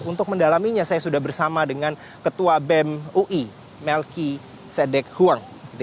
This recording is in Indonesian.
untuk mendalaminya saya sudah bersama dengan ketua bem ui melki sedek huang